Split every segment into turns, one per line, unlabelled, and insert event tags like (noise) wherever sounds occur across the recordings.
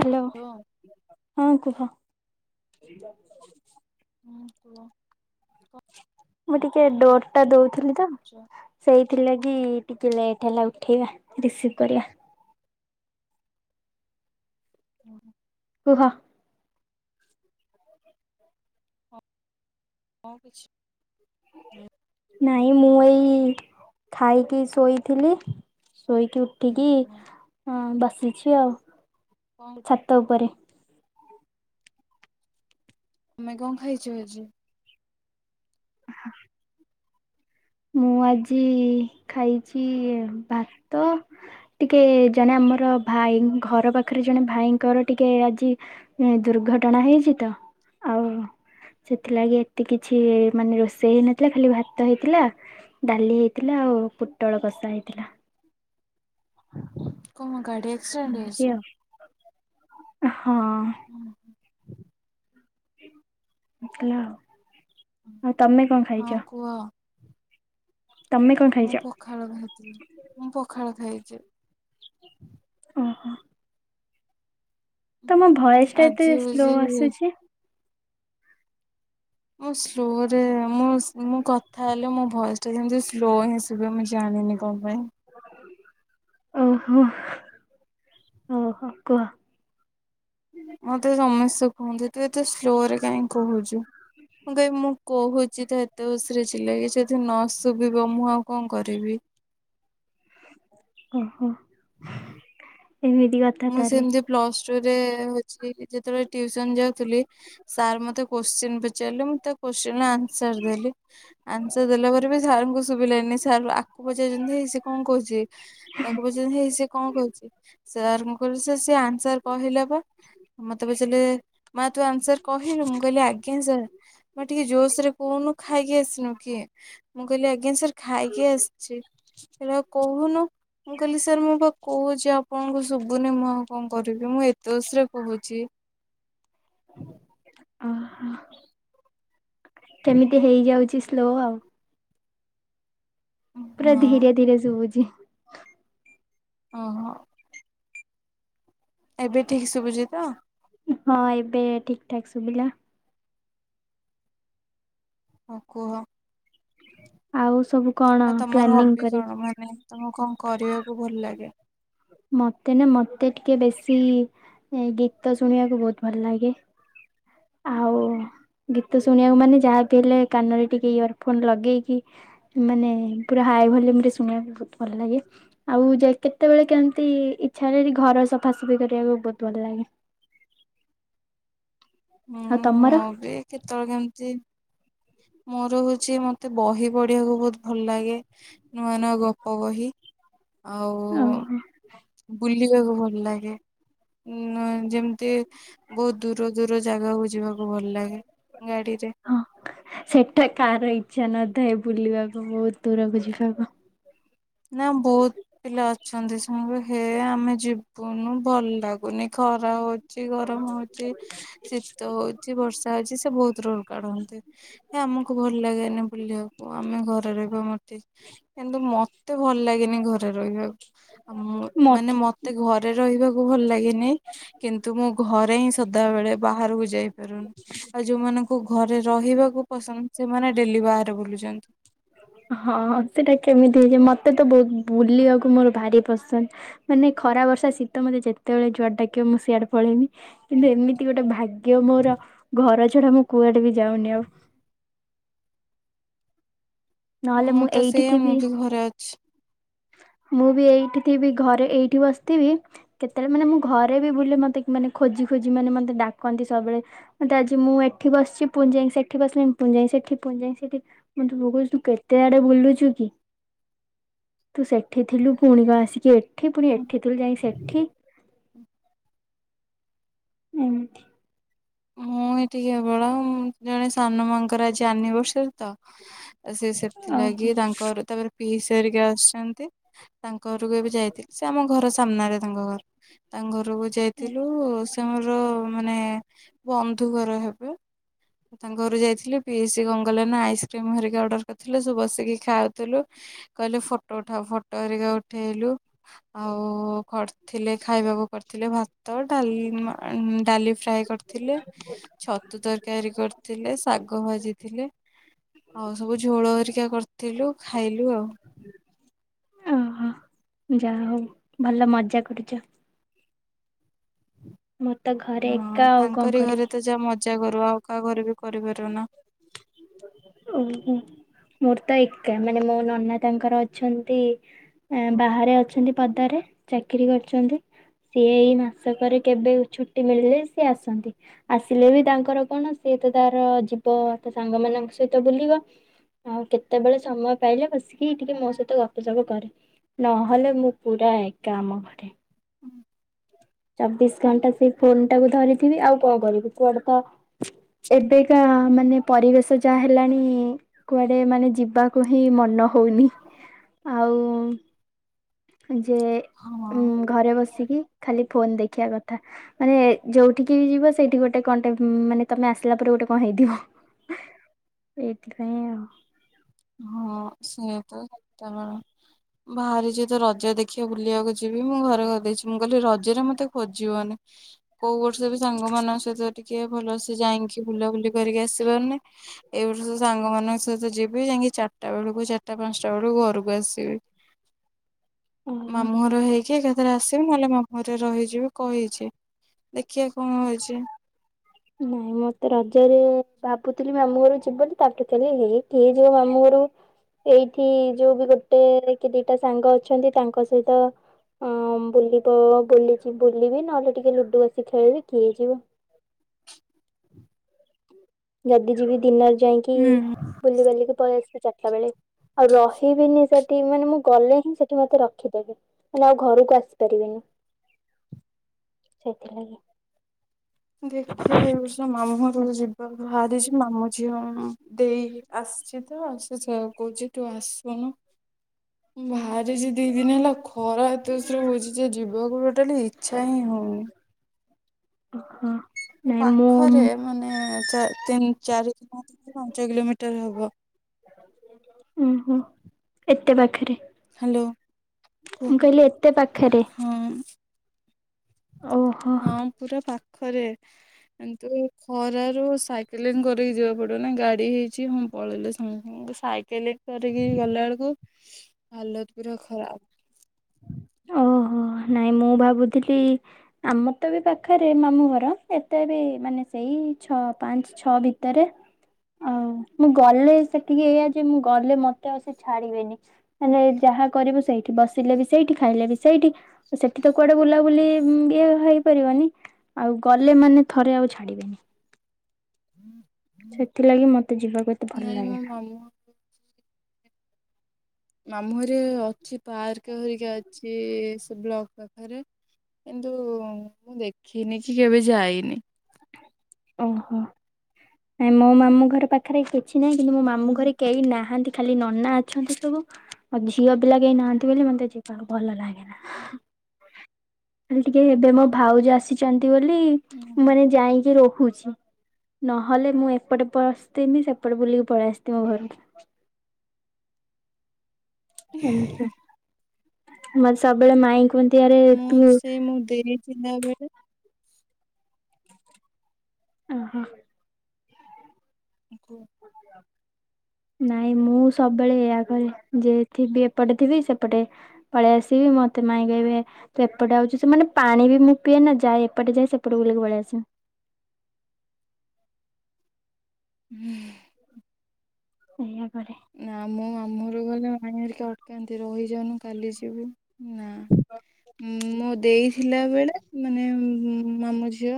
Hello
hello
ହଁ କୁହ (unintelligible)
ହୁଁ କୁହ
ମୁଁ ଟିକେ
କଣ
ଡୋର ଟା ଦଉଥିଲି ତ
କରୁଛ?
ସେଇ ଥିଲା କି ଟିକେ ଲେଟ୍ ହେଲା ଉଠେଇବା ରିସିଭ କରିବା
ହୁଁ।
କୁହ
ହ କିଛି ନାଇଁ
ନାଇଁ ମୁଁ ଏଇ ଖାଇକି ଶୋଇଥିଲି ଶୋଇକି ଉଠିକି
କୁହ
ଆଁ ବସ୍ ଆ ଶଛି ଆଉ
କଣ
ଛାତ ଉପରେ
ଆମେ କଣ ଖାଇଛୁ ଆଜି
(inaudible) ମୁଁ ଆଜି ଖାଇଛି ଭାତ ଟିକେ ଜଣେ ଆମର ଭାଇ ଘର ପାଖରେ ଜଣେ ଭାଇଙ୍କର ଟିକେ ଆଜି ଦୁର୍ଘଟଣା ହେଇଛି ତ ଆଉ ସେଥିଲାଗି ଏତେ କିଛି ମାନେ ରୋଷେଇ ହେଇନଥିଲା ଖାଲି ଭାତ ହେଇଥିଲା ଡାଲି ହେଇଥିଲା ଆଉ ପୋଟଳ କଷା ହେଇଥିଲା
(inaudible) କୋହୁ ଗାଡ଼ି ଏକ୍ସିଡେଣ୍ଟ
ଏମିତି
ହେଛି
ଆଉ (inaudible)
ହୁଁ ହଁ
ବଝଲା (inaudible) ଆଉ ତମେ କଣ
ହଁ
ଖାଇଛ
କୁହ
ତମେ କଣ
ମୁଁ
ଖାଇଛ
ପଖାଳ ଥିଲି ମୁଁ ପଖାଳ ଖଇଛ (inaudible)
ଓହୋ ତମ
ହୁଁ
ଭଏସ ଟା ଏତେ
ଆଜି
ସ୍ଲୋ
ହଉଛି
ଆସୁଛି,
ମ ସ୍ଲୋରେ ମ ମୁଁ କଥା ହେଲେ ମୋ ଭଏସ ଟା ଯେମିତି ସ୍ଲୋଇ ସୁଭେ ମ ଜାଣିନି କଣ ପାଇଁ
ଓହୋ ଓ ହୋ କୁହ
ମତେ ସମସ୍ତେ କୁହନ୍ତି ତୁ ଏତେ ସ୍ଲୋ ରେ କାହିଁ କହୁଛୁ ମୁଁ କ ମୁଁ କହୁଛି ତ ରେ ଚିଲେ କି ଯଦି ନସ ଧିକ ମୁଁ ଆଉ କଣ କରିବି
ଓ ହୋ ଏମିତି କଥା
ମୁଁ
ତାହେଲେ
ସେମିତି ପ୍ଲସ ଯେତେବେଳେ ଟୁଉସନ ଯାଉଥିଲି ସାର୍ ମତେ କ୍ୱାଶ୍ଚିନ୍ ପଚାରିଲେ ମୁଁ ତା ଅଂଶର ଦେଲି ଅଂଶର ଦେଲାପରେ ବି ସାର୍ କନୁକ୍ ଶୁଭିଲାନି ଆଗକୁ ପଚାରଛନ୍ତି ହେଇ ସେ କଣ କହୁଛି ତାକୁ ପଚେଇଛନ୍ତି ହେଇ ସେ କଣ କହୁଛି ସାର୍ ମୁ କ ସେ ଆନ୍ସର କହିଲେ ମତେ ପଚାରିଲେ ମା ତୁ ଆନ୍ସର କହିଲୁ ମୁଁ କହିଲି ଆଜ୍ଞା ସାର୍ ମ ଟିକେ ଜୋସ ରେ କହୁନୁ ଖାଇକି ଆସିନୁ କିଏ ମୁଁ କହିଲି ଆଜ୍ଞା ସାର୍ ଖାଇକି ଆସିଛି ହେଲେଉ କହୁନୁ ମୁଁ କହିଲି ସାର୍ ମୋ ବା କହୁ ଯ ଆପଣଙ୍କୁ ଶୁଭୁନି ମୁହଁ କଣ କରିବି ମୁଁ ଏତୋସରେ କହୁଛି
ଓହୋ କେମିତି ହେଇଯାଉଛି ସ୍ଲୋ ଆଉ ପୁରା
ହଁ
ଧୀରେ ଧୀରେ ଶୁଭୁଛି
ଓ ହୋ ଏବେ ଠିକ ଶୁଭୁଛି ତ
ହଁ ଏବେ ଠିକ ଠାକ୍ ସୁବିଲା
ଓ କୁହ
ଆଉ ସବୁ କଣ
ଆଉ ତମର
ପ୍ଲାନି
ହବି କଣ ମାନେ ତମକୁ କଣ କରିବାକୁ ଭଲ
କରିଛି
ଲାଗେ?
ମତେ ନା ମତେିକେ ଟିକେ ବେଶୀ ଗୀତ ଶୁଣିବାକୁ ବହୁତ ଭଲ ଲାଗେ ଆଉ ଗୀତ ଶୁଣିବାକୁ ମାନେ ଯାହାବି ହେଲେ କାନରେ ଟିକେ ଇୟର ଫୋନ ଲଗେଇକି ମାନେ ପୁରା ହାଇ ଭଲ୍ୟୁମ ରେ ଶୁଣିବାକୁ ବହୁତ ଭଲ ଲାଗେ ଆଉ କେତେବେଳେ କେମିତି ଇଚଛା ହେଲେ ଘର ସଫାସଫି କରିବାକୁ ବହୁତ ଭଲ ଲାଗେ ଆଉ ତମର?
ହୁଁ ବି କେତେବେଳେ କେମିତି ମୋର ହଉଛି ମତେ ବହି ପଢିବାକୁ ବହୁତ ଭଲ ଲାଗେ ନୂଆ ନୂଆ ଗପ କହି ଆଉ ବୁଲ୍
ଓହୋ
ବୁଲିବାକୁ ଭଲ ଲାଗେ ନ ଯେମିତି ବହୁତ ଦୂର ଦୂର ଜାଗାକୁ ଯିବାକୁ ଭଲ ଲାଗେ ଗାଡିରେ।
ହଁ। ସେଟା କାହାର ଇଚ୍ଛା ନଥାଏ ବୁଲିବାକୁ ବହୁତ ଦୂରକୁ ଯିବାକୁ।
ନା ବହୁତ ପିଲା ଅ ଅଛନ୍ତି ସାଙ୍ଗ ହେ ଆମେ ଯିବୁନୁ ଭଲ ଲାଗୁନି ଖରା ହଉଛି। ଗରମ ହଉଛି ଶୀତ ହଉଛି ବର୍ଷା ହଉଛି ସେ ବହୁତ ରୋଲ୍ କାଢନ୍ତି ହେ ଆମକୁ ଭଲ ଲାଗେନି ବୁଲିବାକୁ ଆମେ ଘରେ ରହିବା ମତ କିନ୍ତୁ ମ ମତେ ଭଲ ଲାଗେନି ଘରେ ରହିବାକୁ। ଆ ମୁଁ ମାନେ ମତେ ଘରେ ରେ ରହିବାକୁ ଭଲ ଲାଗେନି କିନ୍ତୁ ମୁଁ ଘରେ ହିଁ ସଦାବେଳେ ବାହାରକୁ ଯାଇ ପାରୁନି ଆଉ ଯୋଉମାନଙ୍କୁ ଘରେ ରହିବାକୁ ପସନ୍ଦ ସେମାନେ ଡେଲି ବାହାରେ ବୁଲୁଛନ୍ତି।
ହଁ ସେଟା କେମିତି ହେଇଛି ମତେ ତ ବହୁତ ବୁଲିବାକୁ ମୋର ଭାରି ପସନ୍ଦ ମାନେ ଖରା ବର୍ଷା ଶୀତ ମତେ ଯେତେବେଳେ ଜୁଆଡେ ଡାକିବ ମୁଁ ସିଆଡେ ପଳେଇବି କିନ୍ତୁ ଏମିତି ଗୋଟେ ଭାଗ ଭାଗ୍ୟ ମୋର ଘର ଛାଡ଼ି ଛଡା ମୁଁ କୁଆଡେ ବି ଯାଉନି ଆଉ। ନହେଲେ
ମୁଁ ତ
ଏଇଠି
ସେଇଆ ମୁଁ
ଥିବି
ବି ଘରେ ଅଛି।
ମୁଁ ବି ଏଇଠି ଥିବି ଘରେ ଏଇଠି ବସିଥିବି କେତେବେଳେ ମାନେ ମୁଁ ଘରେ ବି ବୁଲେ ମତେ ମାନେ ଖୋଜି ଖୋଜି ମାନେ ମତେ ଡାକନ୍ତି ସବୁବେଳେ ମତେ ଆଜି ମୁଁ ଏଠି ବସିଛି ପୁଣି ଯାଇ ସେଠି ବସିଲି ପୁଣି ସେଠି ପୁଣିଯାଇ ସେଠି ମୋତେ ବୋଉ କହୁଛି ପୁ କେତେ ଆଡେ ବୁଲୁ ଏଠି ପୁଣି ଏଠି ଥିଲୁ ଯାଇ ସେଠି ଏମିତି
ମୁଁ ଏଠି କେବଳ ଉ ଜଣେ ସାନ ମାଙ୍କର ଆଜି ଆନିଭରସରି ତ। ସେ
ଓହୋ
ସେଥିଲାଗି ତାଙ୍କର ତାପରେ ପିଇସା ହେରିକା ଆସିୁଛନ୍ତି। ତାଙ୍କ ଘରକୁ ଏବେ ଯାଇଥିଲି ସେ ଆମ ଘର ସା ସାମ୍ନାରେ ତାଙ୍କ ଘର ତାଙ୍କ ଘରୁ ଘରକୁ ଯାଇଥିଲୁ ସେ ଆମର ମାନେ ବନ୍ଧୁଘର ହେବେ। ତାଙ୍କ ଘରୁ ଯାଇଥିଲୁ ପିଉସୀ କଣ କଲେ ନା ଆଇସ୍କ୍ରିମ ହେରିକା ଅର୍ଡର କରିଥିଲେ ସବୁ ବସିକି ଖାଉଥିଲୁ କହିଲେ ଫଟୋ ଉଠାଉ ଫଟୋ ହେରିକା ଉଠେଇଲୁ। ଆଉ କରିଥିଲେ ଖାଇବାକୁ କରିଥିଲେ ଭାତ ଡାଲମା ଡାଲି ଫ୍ରାଏ କର ଥିଲେ ଛ ଛତୁ ତରକାରୀ କରିଥିଲେ ଶାଗ ଭାଜିଥିଲେ ଆଉ ସବୁ ଝୋଳ ହେରକା କରିଥିଲୁ ଖାଇଲୁ ଆଉ।
ଓହୋ ଯାହା ହଉ ଭଲ ମଜା କରୁଛ। ମତେ ଘରେ ଏକା ଆଉ କଣ କରିବି?
ଜା କରୁ ଆଉ କାହା ଘରେ ବି କରିପାରିବୁନା।
ଓହୋ ମୋର ତ ଏକା ମାନେ ମୋ ନନା ତାଙ୍କର ଅଛନ୍ତି ବାହାରେ ଅଛନ୍ତି। ପଦାରେ ଚାକିରି କରିଛନ୍ତି। ସିଏ ଏଇ ମାସକରେ କେବେ ଛୁଟି ମିଳିଲେ ସିଏ ଆସନ୍ତି। ଆସିଲେ ବି ତାଙ୍କର କଣ ସିଏ ତ ତାର ତ ତା ସାଙ୍ଗ ମାନଙ୍କ ସହିତ ବୁଲିବ ଆଉ କେତେବେଳେ ସମୟ ପାଇଲେ ବସିକି ଟିକେ ମୋ ସହିତ ଗପସପ କରେ। ନହେଲେ ମୁଁ ପୁରା ଏକା ଆମ ଘରେ ଚବିଶ ଘଣ୍ଟା ସେ ଫୋନ ଟାକୁ ଧରିଥିବି ଆଉ କଣ କରିବି କୁଆଡେ ତ ଏବେକା ମାନେ ପରିବେଶ ଯାହା ହେଲାଣି କୁଆଡେ ମାନେ ଯିବାକୁ ହିଁ ମନ ହଉନି। ଆଉ ଯେ
ହଁ
ଉଁ ଘରେ ବସିକି ଖାଲି ଫୋନ ଦେଖିବା କଥା ମାନେ ଯୋଉଠିକି ଯିବ ସେଇଠି ଗୋଟେ କଣଟେ ମାନେ ତମେ ଆସିଲା ପରେ ଗୋଟେ କଣ ହେଇଥିବ। ଏଇଥିପାଇଁ ଆଉ
ହଁ ସେୟା ତ ତା ବାହାରିଛି ତ ରଜ ଦେଖିବା ବୁଲିବାକୁ ଯିବି ମୁଁ ଘରେ କହିଦେଇଛି ମୁଁ କହିଲି ରଜରେ ମତେ ଖୋଜିବନି। କୋଉ ବର୍ଷ ବି ସାଙ୍ଗମାନଙ୍କ ସହିତ ଟିକେ ଟେ ଭଲସେ ଯାଇକି ବୁଲାବୁଲି କରିକି ଆସି ପାରୁନି। ଏଇଭଳି ସାଙ୍ଗ ମଙ୍କ ସହିତ ଯି ଯାଇକି ଚାରଟା ବେଳକୁ ଚାରିଟା ପାଞ୍ଚଟା ବେଳକୁ ଘରକୁ ଆସିବି।
ଓହୋ
ମାମୁଁ ଘର ହେଇକି ଏକା ରେ ଆସିବି ନହେଲେ ମାମୁଁ ଘରେ ରହିଯିବି କହିଛି। ଦେଖିବା କଣ ହେଇଛି।
ନାଇଁ ମତେ ରଜରେ ଭାବୁଥିଲି ମାମୁଁ ଘରୁ ଯିବ ବୋଲି। ତାଠୁ ଖିଲ ହେ କିଏ ଯିବ ମାମୁଁ ଘରୁକୁ ଏଇଠି ଯୋଉ ବି ଗୋଟେ କି ଦିଟା ସାଙ୍ଗ ଅଛନ୍ତି ତାଙ୍କ ସହିତ ବୁଲିବ ବୁ ବୁଲିବି। ନହେଲେ ଟିକେ ଲୁଡୁ ବସିକି ଖେଳିବି କିଏ ହେଇଯିବ। ଯଦି ଯିବି ଦିନ ଯାଇକି
ହୁଁ।
ବୁଲିିବାଲିକି ପଳେଇ ଆସିବି। ଚା ଏକାବେଳେ ଆଉ ରହିବିନି ସେଠି। ମାନେ ମୁଁ ଗଲେ ହିଁ ସେଠି ମତେ ରଖିଦେବି। ମାନେ ଆଉ ଘରକୁ ଆସିପାରିବିନି। ସେଥିଲାଗି
ଦେଖିଆ ଏ ବର୍ଷ ମାମୁଁଘର ତ ଯିବା ବାହାରିଛି ମାମୁଁ ଝିଅ ଦେଇ ଆସିଛି ତ। ଆ ସେ କହୁଛି ତୁ ଆସୁନୁ। ଭାରି ଆ ଦି ଦିନ ହେଲା ଖରା ଏତସ ହଉଛି ଯେ ଯିବାକୁ ଟୋଟାଲି ଇଚ୍ଛା ହିଁ ହଉନି।
ଓହୋ।
ଏ ପାଖରେ ମାନେ ଚା ତିନ ଚାରି ଦିନ। ପାଞ୍ଚ କିଲୋମିଟର ହବ। (inaudible)
ଓହୋ ଏତେ ପାଖରେ।
ହ୍ୟାଲୋ
(inaudible)
କୁହ
ମୁଁ କହିଲି ଏତେ ପାଖେରେ।
ହଁ। ହଁ ପୁରା ପାଖରେ। କିନ୍ତୁ ଖରାରୁ ସାଇକେଲିଂ କରିକି ଯିବାକୁ ପଡିବ ନା ଗାଡି ହେଇଛି ହଁ ପଳେଇଲ ସାଙ୍ଗେ ସାଙ୍ଗେ ସାଇକେଲିଂ କରିକି ଗଲା ବେଳକୁ ହାଲତ ପୁରା ଖରାପ।
ଓହୋ ନାଇଁ ମୁଁ ଭାବୁଥିଲି ଆମ ତ ବି ପାଖରେ ମାମୁଁ ଘର। ଏତେ ବି ମାନେ ସେଇ ଛ ପାଞ୍ଚ ଛଅ ଭିତରେ। ଆଉ ମୁଁ ଗଲେ ସେତିକି ଏଇଆ ଯେ ମୁଁ ଗଲେ ମତେ ଆଉ ସେ ଛାଡିବେନି। ହେଲେ ଯାହା କରିବୁ ସେଇଠି ବସିଲେ ବି ସେଇଠି ଖାଇଲେ ବି ସେଇଠି ସେଠି ତ କୁଆଡେ ବୁଲାବୁଲି ଇଏ ହେଇପାରିବନି। ଆଉ ଗଲେ ମାନେ ଥରେ ଆଉ ଛାଡିବେନି।
ହୁଁ।
ସେଥିଲାଗି ମତେ ଯିବାକୁ ଏତେ ଭଲ
ମୋ
ଲାଗେନା। (inaudible)
ମାମୁଁ ମାମୁଁ ହରେ ଅଛି ପାର୍କ ହେରିକା ଅଛି। ସେ ବ୍ଲକ ପାଖରେ କିନ୍ତୁ ମୁଁ ଦେଖିନି କି କେବେ ଯାଇନି।
ଓହୋ ନାଇଁ ମୋ ମାମୁଁ ଘର ପାଖରେ କିଏ? ଅଛି ନାହିଁ କିନ୍ତୁ ମୋ ମାମୁଁ ଘରେ କେହି ନାହାଁନ୍ତି। ଖାଲି ନନା ଅଛନ୍ତି। ସବୁ ଆଉ ଝିଅ ପିଲା କେହି ନାହାଁନ୍ତି ବୋଲି ମତେ ଯିବାକୁ ଭଲ ଲାଗେନା। ଖାଲି ଟିକେ ଏବେ ମୋ ଭାଉଜ ଆସିଛନ୍ତି। ବୋଲି
ଓହୋ।
ମାନେ ଯାଇଙ୍କି ରୋ ଛି ନହେଲେ ମୁଁ ଏପଟେ ପସଥିଲି ସେପଟେ ବୁଲିକି ପଳେଇ ଆସିଥିବି ମୋ ଘରକୁ। ଏମିତିକା।
(inaudible)
ମତେ ସବୁବେଳେ ମାଇଁଙ୍କୁ
ମୁଁ ସେଇ ମୁଁ ଦେଇ ଥିଲା ବେଳେ
ଓ ହୋ।
ଗୋ।
ନାଇଁ ମୁଁ ସବୁବେଳେ ଏୟା କରେ। ଯେ ଥିବି ଏପଟେ ଥିବି ସେପଟେ ପଳେଇ ଆସିବି। ମତେ ମାଇଁ କହବେ ତୁ ଏପଟେ ଆଉଛୁ ସେ ମାନେ ପାଣି ବି ମୁଁ ପିଏନା ଯାଏ। ଏପଟେ ଯାଏ ସେପଟେ ବୁଲିକି ପଳେଇ ଆସେ।
ହୁଁ।
ଏଇଆ।
ନା ମୁଁ ଆମ ଘ ଗଲେ ମାଣି ହେରିକି ଅଟକାନ୍ତି ରହିଯନୁ କାଲି ଯିବୁ। ନା ମୋ ଦେଇଥିଲା ବେଳେ ମାନେ ମାମୁଁ ଝିଅ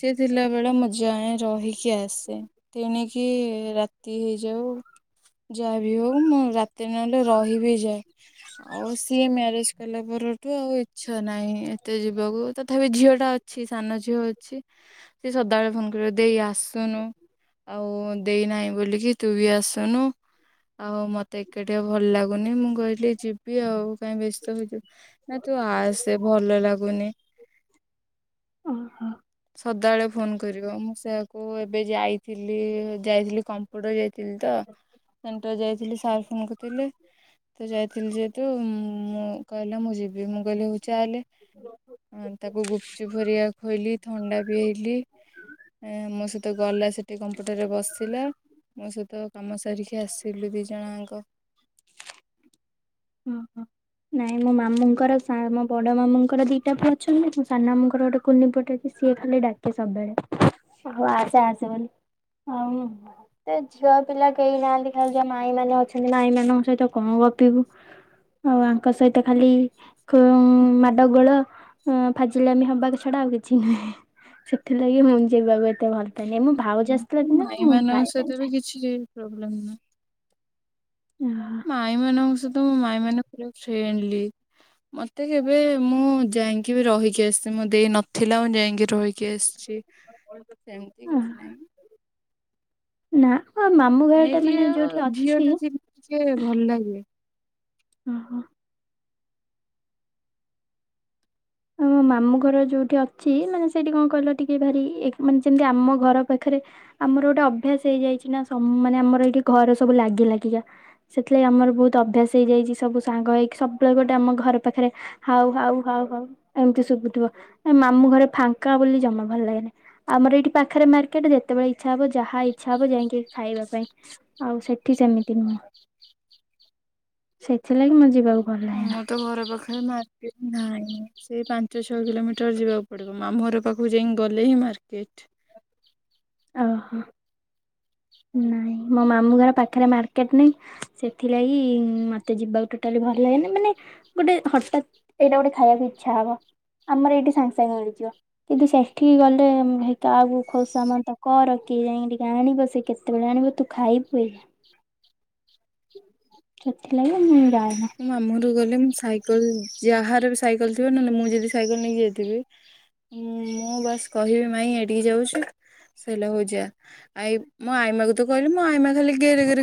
ସି ଥିଲାବେଳେ ମୁଁ ଯାଏ ରହିକି ଆସେ ତଣି କିଏ ରାତି ହେଇଯାଉ ଯାବି ହଉ ମୁଁ ରାତି ନହେଲେ ରହିବି ଯାଏ ଆଉ ସିଏ ମ୍ୟାରେଜ କଲା ପରେ ଆଉ ଇଛା ନାଇଁ ଏତେ ଯିବାକୁ ତଥାପି ଝିଅ ଟା ଅଛି ସାନ ଝିଅ ଅଛି ସେ ଫୋ କରି ଦେଇ ଆସୁନୁ ଆଉ ଦେଇନାହିଁ ବୋଲିକି ତୁ ବି ଆସୁ ଆଉ ମତେ ଏକେ ଟିକେ ଭଲ ଲାଗୁନି ମୁଁ କହିଲି ଯିବି ଆଉ କାଇହିଁ ବ୍ୟସ୍ତ ହେଇଯ ନା ତୁ ଆସେ ଭଲ ଲାଗୁନି
ଓହୋ
ସବେଳେ ଫୋନ କରିବ ମୁଁ ସେ କଉଁ ଏବେ ଯାଇଥିଲି ଯାଇଥିଲି କମ୍ପୁଟ ଯାଇଥିଲି ତ ସେଣ୍ଟର ଯାଇଥିଲି ସାର୍ ଫୋନ କଥିଲେ ତ ଯାଇଥିଲି ଯେହେତୁ ମୁଁ କହିଲା ମୁଁ ଯିବି ମୁଁ କହିଲି ହଉ ଚା ହେଲେ ତାକୁ ଗୁପଚୁପ ଫରିଆ ଖୁଇଲି ଥଣ୍ଡା ପିଆଇଲି ମୋ ସହିତ ଗଲା ସେଠି କମ୍ପୁଟରରେ ବସିଲା ମୋ ସହିତ କାମ ସରିକି ଆସିଲୁ ଦି ଜଣଙ୍କ
ହୁଁ ହୁଁ। ନାଇଁ ମୋ ମାମୁଙ୍କର ମୋ ବଡ ମାମୁଙ୍କର ଦିଟା ପୁଅ ଅଛନ୍ତି ମୋ ସାନ ମାମୁଙ୍କର ଗୋଟେ କୁନି ପଟେଇଛି ସିଏ ଖାଲି ଡାକେ ସବୁବେଳେଉ ଆସେ ଆସେ ବୋଲି ଆଉ ଝିଅ ପିଲା କେହି ନାହାନ୍ତି ଖାଲି ମାଇ ମ ଅଛନ୍ତି ମାଇ ମାନଙ୍କ ସହିତ କଣ ଗପିବୁ ଆଉ ତାଙ୍କ ସହିତ ଖାଲି ମାଡ଼ ଗୋଳ ଫାଜିଲେ ଆମେ ହବାକ ଛଡା ଆଉ କିଛି ନୁହେଁ ସେଥିଲାଗି ମୁଁ ଯିବାକୁ ଏତେ ଭଲ ପାଏନି ମୋ ଭାଉଜ ଆସିଥିଲା ଦିନେ
ମାଇ
ମୁଁ ପ୍ରାୟ
ମାନଙ୍କ
ଟାଇମ୍
ସହିତ ବି
ଯାଏ।
କିଛି ବଲ ନା (inaudible) ମାଇଁ ମନଷ ତ ମୋ ମାଇ ମାନେ ପା ଫ୍ରେଣ୍ଡଲି ମତେ କେବେ ମୁଁ ଯାଇକି ବି ରହିକି ଆସି ମେ ଦେଇ ନଥିଲା ମୁଁ ଯାଇକି ରହିକି ିକ ଆଛି ସେମିତି
ଓହୋ
କିଛି ନାହିଁ (inaudible)
ନା (inaudible)
ହେଇ
ଘରଟା
କିି
ମାନେ
ଆଉ
ଯୋଉଠି
ଝିଅ
ଅଛି
ଟା ଟିକେ ଭଲ ଲାଗେ
ଓ ହୋ। ଆମ ମାମୁଁ ଘର ଯୋଉଠି ଅଛି ମାନେ ସେଇଠି କଣ କହିଲ ଟିକେ ଭାରି ମାନେ ଯେମିତି ଆମ ଘର ପାଖରେ ଆମର ଗୋଟେ ଅଭ୍ୟାସ ହେଇଯାଇଛି ନା ମାନେ ଆମର ଏଇଠି ଘର ସବୁ ଲାଗିଲାଗିକା ସେଥିଲାଗି ଆମର ବହୁତ ଅଭ୍ୟାସ ହେଇଯାଇଛି ସବୁ ସାଙ୍ଗ ହେଇକି ସବୁବେଳେ ଗୋଟେ ଆମ ଘର ପାଖରେ ହାଉ ହାଉ ହାଉ ଏମିତି ଶୁଭୁଥିବ ମାମୁ ଘରେ ଫାଙ୍କା ବୋଲି ଜମା ଭଲ ଲାଗେନି। ଆମର ଏଇଠି ପାଖରେ ମାର୍କେଟ ଯେତେବେଳେ ଇଛ ଛା ହବ ଯାହା ଇଚ୍ଛା ହବ ଯାଇକି ହେଠି ଖାଇବା ପାଇଁ। ଆଉ ସେଠି ସେମିତି ନୁହଁ ସେଥିଲାଗି ମୋ ଯିବାକୁ ଭଲ ଲାଗେନା
ଆମର ତ ଘର ପାଖରେ ମାର୍କେଟ ନାହିଁ। ସେଇ ପାଞ୍ଚ ଛଅ କିଲୋମିଟର ଯିବାକୁ ପଡିବ ମାମୁଁ ଘର ପାଖକୁ ଯାଇଁକି ଗଲେ ହିଁ ମାର୍କେଟ।
ଓହୋ ନାଇଁ ମୋ ମାମୁଁ ଘର ପାଖରେ ମାର୍କେଟ ନାହିଁ। ସେଥିଲାଗି ମତେ ଯିବାକୁ ଟୋଟାଲି ଭଲ ଲାଗେନି ମାନେ ଗୋଟେ ହଠାତ୍ ଏଇଟା ଗୋଟେ ଖାଇବାକୁ ଇଚ୍ଛା ହବ ଆମର ଏଇଠି ସାଙ୍ଗେ ସାଙ୍ଗେ ମିଳିଯିବ। କିନ୍ତୁ ସେଠିକି ଗଲେ କାହାକୁ ହେଇ କାହାକୁ ଖୋସାମନ୍ତ କର କିଏ ଯାଇକି ଟିକେ ଆଣିବ ସେ କେତେବେଳେ ଆଣିବ ତୁ ଖାଇବୁ ସେଥିଲାଗି ମୁଁ ଯା
ମାମୁଁ ଘରକୁ ଗଲେ ମୁଁ ସାଇକେଲ ଯାହାର ବି ସାଇକେଲ ଥିବ ନହେଲେ ମୁଁ ଯଦି ସାଇକେଲ ନେଇକି ଯାଇଥିବି। ମୁଁ ବାସ୍ କହିବି ମାଇଁ ଏଠିକି ଯାଉଛି। ସଇଲା ହଉ ଯା। ଆଇ ମୋ ଆଇମା ତୁ କହିଲୁ ମୋ ଆଇ ମା ଖାଲି ଗେରେ ଗେରେ